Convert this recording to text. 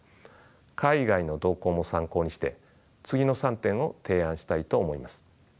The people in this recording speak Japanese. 海外の動向も参考にして次の３点を提案したいと思います。